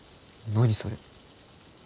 何それ。